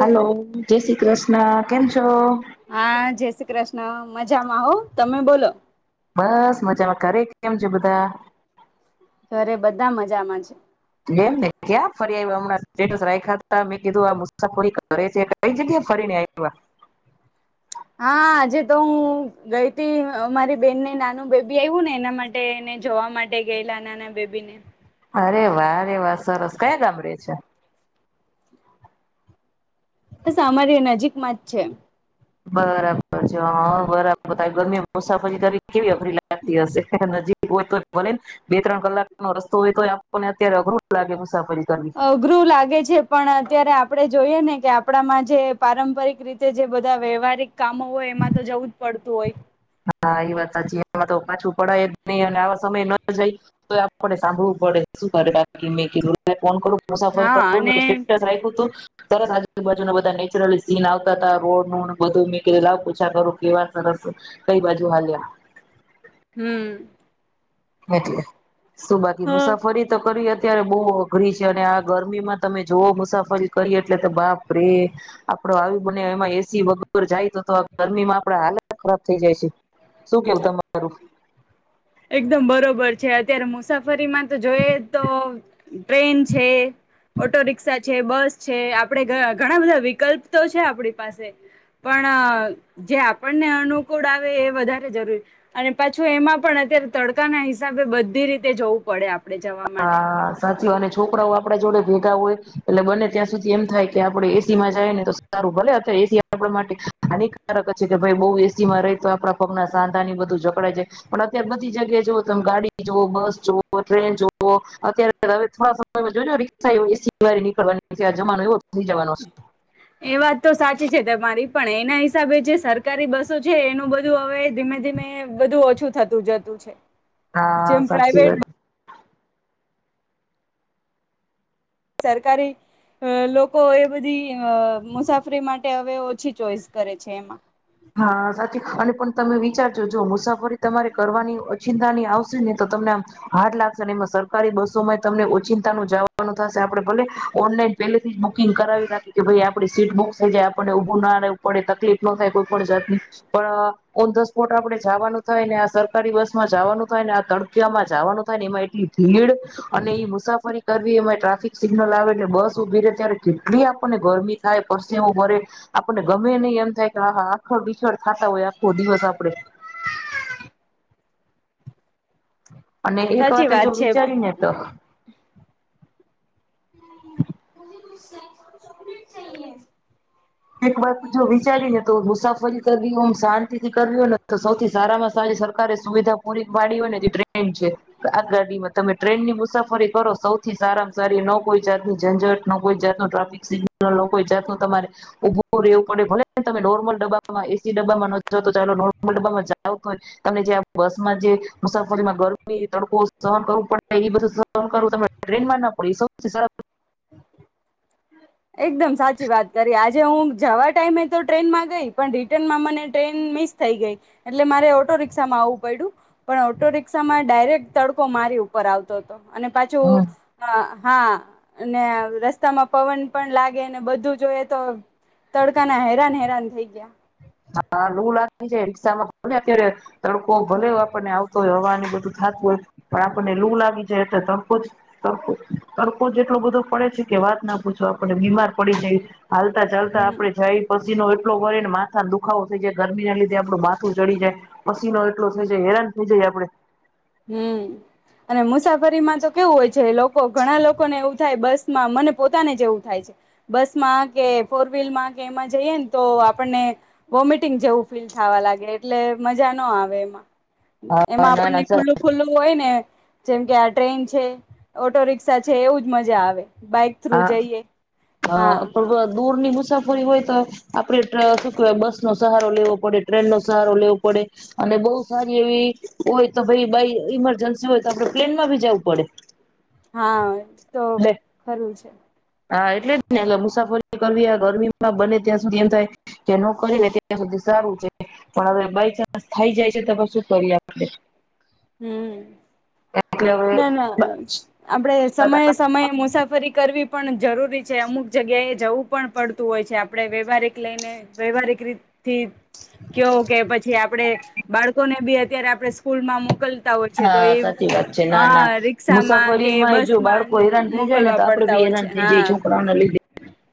Hello જય શ્રી કૃષણ ના કેમ છો હા જય શ્રી મજામાં હો, તમે બોલો બસ મજામાં ઘરે કેમ છે બધા ઘરે બધા મજામાંજ એમ ને ક્યાં ફરી આવ્યા હમણાં સ્ટેટસ રાખ્યા હતા મેં કીધું આ મુસાફરી કરે છે કઈ જગ્યા ફરી ને આવ્યા હા, આજે તો હું ગઈ તી, અમારી બેન ને નાનું બેબી આવ્યું ને એના માટેને જોવા માટે ગયેલા નાના બેબી ને અરે વા અરે વા સરસ કયા ગામડે છે બસ અમારી નજીકમાં જ છે બરાબર છે, હ, બરાબર ગરમી મુસાફરી કરી કેવી અઘરી લાગતી હશે નજીક હોય તો ભલેને બે, ત્રણ કલાકનો રસ્તો હોય તોને અત્યારે અઘરો જ લાગે મુસાફરી કરવી અઘરું લાગે છે પણ અત્યારે આપડે જોઈએ ને કે આપણામાં જે પારંપરિક રીતે જે બધા વ્યવહારિક કામો હોય એમાં તો જવું જ પડતું હોય હા એ વાત સાચી એમાં તો પાછું પડાય નહી અને સમય ન જાય તોય આપને સાંભળવું પડે શું કરે બાકી મેં કીધું ફોન કરું મુસાફરી [unintelligible] હા કરું અને સ્ટેટસ રાયખું તું તરત આજુબાજુના બધા નેચરલી સીન આવતા હતા રોડનું બધું મેં કધ લાવ પૂછા કરું કેવા સરસ કઈ બાજુ હાલ્યા હમ એટલે, સુ બાાકી હા મુસાફરી તો કરીવી અત્યારે બહુ અઘરી છે અને આ ગરમીમાં તમે જોઓ મુસાફરી કરીએ એટલે તો બાપ રે આપડો આવ બને એમાં એસી વગર જાય તો તો ગરમીમાં આપડા હાલત ખરાબ થઈ જાય છે શું કેવું તમારું એકદમ બરોબર છે, અત્યારે મુસાફરીમાં તો જોઈએ તો ટ્રેન છ, ઓટો રિક્ષા છે, બસ છે, આપણે ઘણા બધા વિકલ્પ તો છે આપણી પાસે પણ જે આપણને અનુકૂળ આવે એ વધારે જરૂરી અને પાછું એમાં પણ અત્યારે તડકા ના હિસાબે બધી રીતે જવું પડે આપ હા, સાચીને છોકરાઓ આપડા જોડે ભેગા હોય એટલે બને ત્યાં સુધી એમ થાય કે આપડે એસી માં જાય ને તો સારું ભલે અત્યારે એસી આપડા માટે હાનિકારક છે કે ભાઈ બહુ એસીમાં ર તો આપણા પગના સાંધા બધું જકડાઈ જાય પણ અત્યારે બધી જગ્યાએ જ તમે ગાડી જો, બસ જો ટ્રેન જો અત્યારે હવે થોડા સમય જો જો રિક્ષા એસી વાડી નીકળવાની જમાનો એવો થઈ જવાનો એ, વાત તો સાચી છે, તમારી પણ એના હિસાબે જે સરકારી બસો છે, એનું બધું હવે ધીમે, ધીમે, બધું ઓછું થતું જતું છે હા, જેમ સાચી પ્રાઇવેટ વાત સરકારી અ લોકો એ બધી મુસાફરી માટે હવે ઓછી ચોઈસ કરે છે એમાં હા, સાચી અને પણ તમે વિચારજો જો મુસાફરી તમારે કરવાની ઓચિતાની આવશે ને તો તમને આમ હાર્ડ લાગશે ને એમાં સરકારી બસોમાં તમને ઓચિતાનું જવાનું થશે આપેડે ભલે ઓનલાઈન પેલેથી જ બુકિંગ કરાવી રાખી કે ભાઈ આપડી સીટ બુક થઈ જાય આ પડે ઉભું ના રેવુ પડે તકલીફ નો થાય કોઇ પણ જાત ની પણ અ ઓન ધ સ્પોટ આપડે જાવાનું થાય ને આ સરકારી બસ માં જાવાનું થાય ને આ તડકીયામાં જાવાનું થાય ને એમાં એટલી ભીડ અને એ મુસાફરી કરવી એમાં ટ્રાફિક સિગ્નલ આવે બસ ઉભી રે ત્યારે કેટલી આપણને ગરમી થાય પરસેવો વરે આપણને ગમે નઈ એમ થાય કે આ હા ખભીછળ થાતા હોય આખો દિવસ આપડે અને એક સાચી વાતે જો વાત છે. વિચારીને તો [inaudible] [unintelligible] ચોકલેટ ચાહીયે એક વાત જો વિચારી ને તો મુસાફરી કરવી હોય શાંતિ થી કરવી હોય ને તો સૌથી સારામાં સારી સર કરે સુવિધાઓ પૂરી પાડી હોય ને ટ્રેન છે, આગ ગાડીમાં તમે ટ્રેન ની મુસ મુસાફરી કરો સૌથી સારામાં સારી ન કોઈ કોઈ જાતની ઝંઝટ ન કોઈ જાતનું ટ્રાફિક સિગ્નલ લોકો ઈ જાત નું તમારે ઉભું રહેેવું પડે ભલે તમે નોર્મલ ડબ્બામાં, એસી ડબ્બામાં નથ જ તો ચાલો નોર્મલ ડબ્બામાં જાવ તમને જે બસમાં જે મુસાફરીમાં ગરમી તડકો સહન કરવું પડે ઈ બધું સહન કરવું ટ્રેનમાં ના પડે સૌથી સર [inaudible] એકદમ સાચી વાત કરી આજે હું જવા ટાઈમે તો ટ્રેનમાં ગઈ પણ રિટર્નમાં મને ટ્રેન મિસ થઈ ગઈ એટલે મારે ઓટો રિક્ષામાં આવવું પયડું પણ ઓટો રિક્ષામાં ડાયરેક્ટ તડકો મારી ઉપર આવતો હતો અને પાછું હમ અ હા, અને રસ્તામાં પવન પણ લાગે ને બધું જોઈ તો તડકા ના હેરાન હેરાન થઈ ગ્યા હ, લું લાગી છે રિક્ષામાં કોને અત્યારે તડકો ભલે આપણને આવતો હોય હવા એ બધુ થાતું હોય પણ આપણને લું લાગી જાય તરકો તરકો તરકો. જ એટલો બધો પડે છે કે વાત ના પૂછ આપડે બીમાર પડી જઈ હાલતા ચાલતા હમ આપડે જાય પ છીનો ઉટલો વળે ને માં માથામા દુખાવો થઈ જાય, ગરમી ના લીધે આપણું માથું ચડી જાય, પસીનો એટલો થઈ જાય હેરાન થઈ જાય આપડે હમ્મ અને મુસાફરીમાં તો કેવું હોય છે, લોકો ઘણા લોકોને એવું થાય બસમાં મને પોતાને જેવું થાય છે, બસમાં કે ફોર વીલમાં કે એમાં જઈએ ને તો આપણનેવોમેટિંગ જેવું ફીલ થવા લાગે એટલે મજા ના આવે એમાં હા, એમાં ના, ના, આપણને સર ખુલ્લું હોય ને જેમ કે આ ટ્રેન છે, ઓટો રિક્શા છે, એવું જ મજા આવે બાઈક થ્રુ હા જઈએ અ હા પર દૂર ની મુસાફરી હોય તો. આપડે બસ નો સહાય. સો લેવો પડે ટ્રેનનોો સહારો લેવો પડે અને બહુ સારી એવી હોય તો ભાઈ બા ઈમરજન્સી હોય તો આપડે પ્લેનમાં ભી જવું પડે. હા તો એટલે ખરું છે. હા એટલે જ ને એટ મુસાફરી કરવી ગરમીમાં બને ત્યાં સુધી એમ થાય કે નોકરીને ત્યાં સુધી સારું છે પણ હવે બાય ચાન્સ થાય જાય છે તો શું કરીએ આપણે. હમ. ના ના આપડે સમયે સમયે મુસાફરી કરવી. પણ. જરૂરી છે અમુક જગ્યાએ. જવું પણ પડતું હોય છે આપણે વ્યવહારિક લઈને વ્યવહારિક રીતથી કયો કે પછી આપણે બાળકોને બી અત્યારે આપણે સ્કૂલમાં મુક. હા સાચી વાત છે ના ના રિક્ષામાં મુસાફરી કે માં જો બસમાં બાળકો હેરાન થઈ જાય ને મોકલવા તો આપડે પડતા ભી હોય છે હેરાન થઈ જાય હા છોકરાઓને લીધે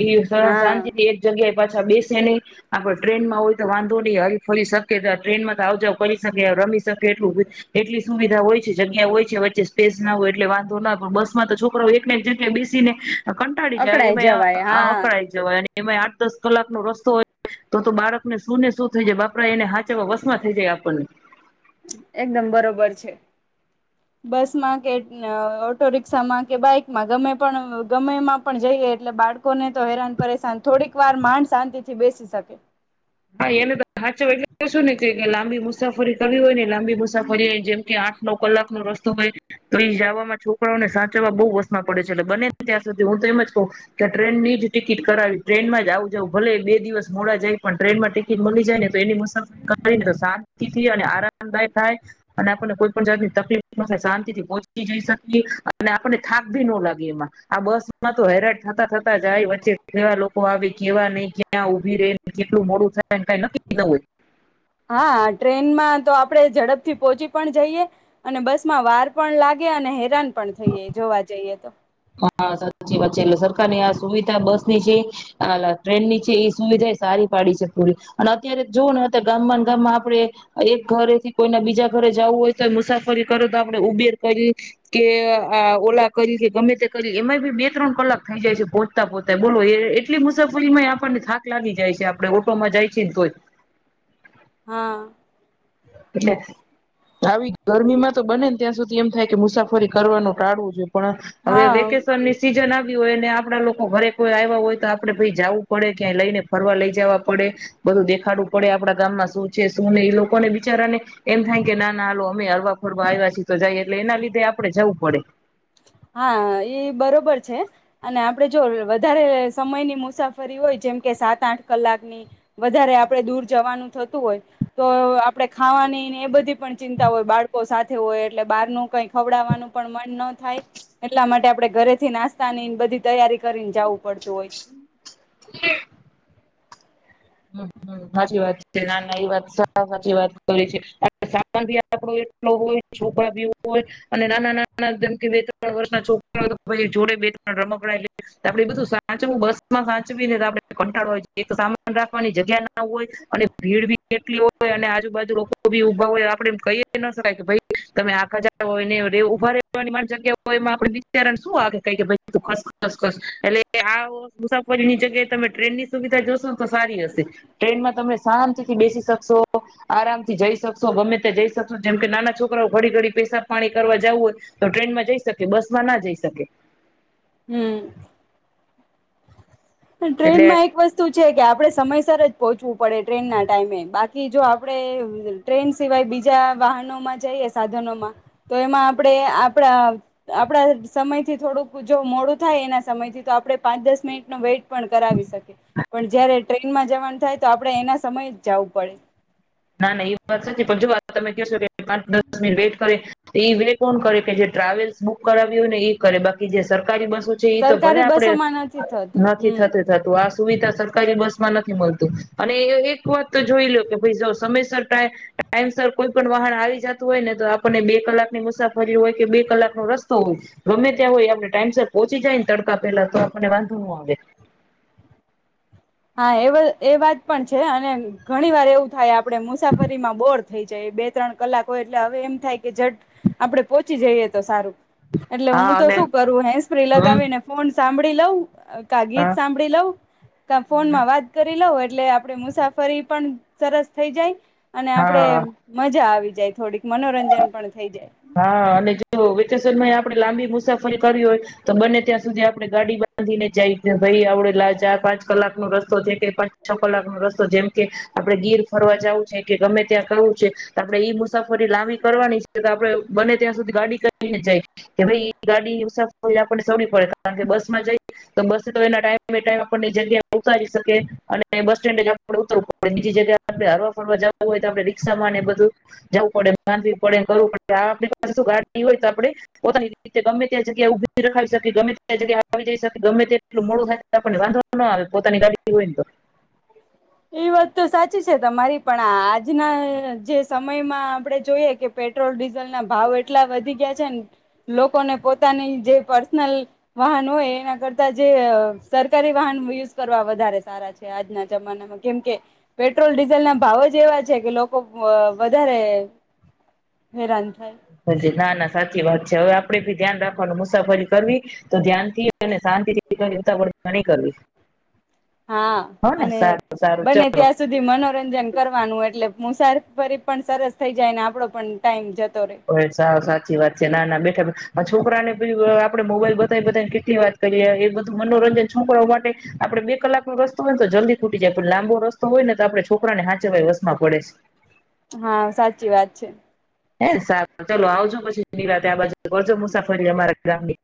એ હા શાંતિ થી એક જગ્યાએ. પાછા બેસે નહી આપડ ટ્રેનમાં હોય તો વાંધો નહી હરી ફરી શકે તો ટ્રેનમાં તો આવજાવ કરી શકે રમી શકે એટલું. એટલી સુવિધા હોય છે જગ્યા હોય છે વચ્ચે સ્પેસ ના હોય એટલે વાંધો લાવ પણ બસમાં તો છોકરારો એક એક જગ્યા બેસી ને. કંટાળી જાય અકળાઈ જવાય એમાં હા વકરાઈ જવાઈ. એમાં આઠ દસ કલાકનો રસ્તો હોય, તો તો બાળકને શું ને શું થઈ જાય બાપરા એને હાચવા વસમાં થઈ જાય આપણને. એકદમ બરોબર છે, બસમાં કે ઓટો રિક્ષામાં કે બાઈકમાં ગમે પણ ગમેમાં પણ જઈએ એટલે બાળકોને તો હેરાન પરેશાન થોડીક વાર માંન શાંતિથી બેસી શકે. હા એને તો સાચુ એટલે શું ને કે લાંબી મુસાફરી કરવી હોય ને લાંબી મુસાફરી જેમ કે આ ઢ નવ કલાક નો રસ્તો હોય, તો એ જવામાં છોકરાઓને સાચવવા બહઉ [unintelligible] પડે છે એટલે બનેને ત્યાં સુધી હું તો એમ જ કહું, કે ટ્રેનની જ ટિકિટ કરાવી ટ્રેનમાં જ આવ જઉું ભલે બે દિવસ મોડા જાય પણ ટ્રેનમાં ટિકિટ મળી જાય ને તો એની મુસાફરી કરીને તો શાંતિથી અને આરામદાયક થાય, અને આપણને કોઈ પણ જાતની તકલીફ ના થાય શાંતિ થી પોહોંચી જઈ શકીએ, આપણને થાક ભી ન લાગે એમાં, આ બસ માં તો હેરાઈટ થતા થતા જાય વચ્ચે કેવા લોકો આવે કેવા નહી ક્યાં ઉભી ર કેટલું મોડું થાયને કઈ નક્કી નો હોય. હા ટ્રેનમાં તો આપણે ઝડપથી પોહોંચી પણ જઈએ, અને બસ માં વાર પણ લાગે અને હેરાન પણ થઈએ જોવા જઈએ તો. હા સાચી વાત છે એટલે સરકારની આ સુવિધા બસ ની છે, ટ્રેન ની છે એ સુવિધા એ સારી પાડી છે થોડી, અને અત્યારે જુઓ ને અત્યારે ગામમાં ગામમાં આપડણે, એક ઘરે થી કોઈના બીજા ઘરે જવું હોય તો મુસાફરી કરો તો આપણે ઉબેર કરી, કે આ ઓલા કરી કે ગમે કરી એમાં બી બે ત્રણ કલાક થઈ જાય છે પોહચતા પોહતા બોલો એટલી મુસાફરીમાં આપણને થાક લાગી જાય છે આપણેે ઓટોમાં જાય છે ને તોય. હા. એટલે, આવી ગરમીમાં તો બનેને ત્યાં સુધી એમ થાય કે મુસાફરી કરવાનું ટાળવો જોઈએ. પણ, હવે હા વેકેશનની સીઝન આવી હોય ને આપડા લોકો ઘરે કોઈ આવ્યા હોય તો આપડે ભાઈ જવું પડે ક્યાંય લઈને ફરવા લઈ જવા પડે, બધું દેખાડવું પડે આપડા ગામમાં શું છે શું ને ઈ લોકો ને બી બીચારા ને, એમ થાય કે ના નાલ અમે હરવા ફોરવા આવ્યા છી તો જાયએ એટલે એના લીધે આપડે જવું પડે. હા એ બરોબર છે, અને આપડે જો વધારે સમયની મુસાફરી હોય જેમ કે સાત આઠ કલાકની, વધારે આપણેે દૂર જવાનું થતું હોય, તો આપણેે ખાવાનીને એ બધી પણ ચિંતા હોય બાળકો સાથે હોય એટલે બારનું કઈ ખવડાવવાનું પણ મન ન થાય, એટલા માટે આપણે ઘરેથી નાસ્તાની બધી તૈયારી કરીને જાવુ પડતું હોય. સાચી વાત છે નાના એ વાત સાચી વાત કરે છે, સામાન આપો એટલો હોય છોકરા બી હોય, અને નાના નાના જેમ કે બે ત્રણ વર્ષ ના છોકરા જોડે બે ત્રણ રમકડા લે આપડે બધું સાચવું બસ માં સાચવી ને આપ કંટાળો હોય. સામા રાખવાની જગ્યા ના હોય, અને ભીડ ભી કેટલી હોય અને આજુબાજુ [unintelligible] [unintelligible] આપડે એમ કહી ન શકાય કે ભાઈ તમે જા હોય ને ઉભા રહેવાની જગ્યા હોય એમાં આપ વિચારણ શું આવે ખસ ખસ એટલે આ મુસાફરીની જગ્યાએ તમે ટ્રેન ની સુવિધા જોશો તો સારી હશે ટ્રેનમાં તમે શાંતિ થી બેસી શકશો. આરામ થી જઈ શક શો ગમે તે જઈ શકશો જેમ કે નાના છોકરાઓ ઘડી ઘડી પેશાબ પાણી કરવા જવું હોય તો ટ્રેનમાં જઈ શકે બસ માં ના જઈ શકે. હમ્મ. ટ્રેન એટલે માં એક વસ્તુ છે કે આપડે સમય સર જ પહોંચવું પડે ટ્રેનના ટાઈમે બાકી જો આપણે ટ્રેન સિવાય બીજા વાહનોમાં જઈએ સાધનોમાં તો એમાં આપણે આપણા આપણા સમયથી થોડુંક જો મોડું થાય એના સમયથી તો આપડણે પાંચ દસ મિનિટનો વેઇટ પણ કરાવી શકે પણ જ્યારે ટે... થાય તો આપડે એના સમય જ જાવું પડે. ના ના એ વાત સાચી પણ જો તમે કે છો કે પાંચ દસ મિનિટ વેટ કરે તો ઈ વે કોણ કરે કે જે ટ્રાવેલ્સ બુક કરાવી હોય ને ઈ કરે બાકી જે સર કારી બસુ છે ઈ તો ભલે સરકારી આપડે બસોમાં થતું નથી હમ થત થતું. સુવિધા સરકારી બસ માં નથી મલતું અને એક વાત તો જોઈ લો કે ભઈ જો સમયસર ટાઇ ટાઈમસર કોઈ પણ વાહન આવી જાતું હોય ને તો આપણને બે કલાકની મુસાફરી હોય કે બે કલાકનો રસ્તો હોય ગમે ત્યાં હોય આપણે ટાઈમસર પહોંચી જાયને તડકા પેલા તો આપણને વાંધો ન આવે. હા એ વાત એ વાત પણ છે અને ઘણી વાર એવું થાય આપડે મુસાફરીમાં બોર થઈ જાય બે ત્રણ કલાક હોય એટલે હવે એમ થાય કે જટ આપડે પોહોંચી જઈએ તો સારું. એટલે હું હા તો અને શું કરું હેન્ડ સ્પ્રે હમ લગાવી ને ફોન સાંભળી લવુ કા ગીત હા સાંભળી લવ ફોનમાં વાત કરી લવ એટલે આપડી મુસાફરી પણ સરસ થઈ જાય. અને આપડે હા મજા આવી. જાય થોડીક મનોરંજન પણ થઈ જાય હા અને જો [unintelligible] આપ આપણે લાંબી મુસાફરી કરી હોય તો બંને ત્યાં સુધી આપણે ગાડી બાંધીને જાય ભઈ આપડે લા પાંચ કલાક નો રસ્તો છે કે પાંચ છ કલાક નો રસ્તો જેમ કે આપડે ગીર ફરવા જવું છે કે ગમે ત્યાં ફરવું છે તો આપડે ઈ મુસાફરી લાંબી કરવાની છે તો આપડે બને ત્યાં સુધી ગાડી કરીને જાય. કે ભઈ ગાડી આપણને [unintelligible] પડે કારણ કે બસ માં જઈએ તો બસ તો એ ટાઈમ ટાઈમ આપણને જગ્યા ઉતારી શકે અને બસ સ્ટેન્ડ જ આપણે ઉતરવું પડે બીજી જગ્યાએ આપડે હરવા ફરવા જવું હોય તો આપણે રિક્ષામાં ને બધું જવું પડે [unintelligible] પડે કરવું પડે. આપણી પાસે શું ગાડી હોય તો આપણે પોતાની રીતે ગમે ત્યાં જગ્યા ઉભી રખાવી શકી ગમે ત્યાં જગ્યા આવી જઈ શકી ગમે ત્યાં એટલું મોડું થાય તો આપણને વાંધોનો આવે પોતાની ગાડી હોય ને તો. ઈ વાત તો સાચી છે તમારી પણ આજના જે સમયમાં આપડે જોઈએ કે પેટ્રોલ ડીઝલના ભાવ એટલા વધી ગયા છે ને લોકોને પોતાની જે પર્સનલ વાહન હોય એના કરતા જે કેમ કે પેટ્રોલ ડીઝલ ના ભાવ જ એવા છે કે લોકો અ વધારે હેરાન થાય [inaudible] ના ના સાચી વાત છે હવે આપડે બી ધ્યાન રાખવાનું મુસાફરી કરવી તો ધ્યાનથી અને શાંતિ થી કરવી નઈ તો નય કરવી હા હો ને અને સારું સારું બને ચલો ત્યાં સુધી મનોરંજન કરવાનું એટલે મુસારફરી પણ સરસ થઇ જાય ને આપડો પણ ટાઈમ જ હો સા સાચી વાત છે. ના ના બેઠા આ છોકરા ને પેલું આપડે મોબાઈલ બ એ બધાને કેટલી વાત કરીએ એ બધું મનોરંજન છોકરાઓ માટે આપડે બે કલાક નો રસ્તો હોય ને તો જલ્દી ખૂટી જાય. પણ લાંબો રસ્તો હોય ને તો આપણે છોકરા ને હાચવા વસમાં પડે છે. હા સાચી વાત છે. હ સારું ચાલો આવજો. પછી નીરાતે બાજુ કરજો મુસાફરી અમારા ગામ ની.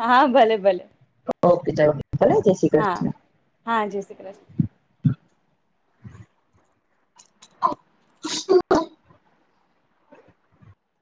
હા ભલે ભલે. ઓકે ચાલો. ભલે જય શ્રી હા કૃષ્ણ. હા, જય શ્રી કૃષ્ણ. [inaudible] [inaudible]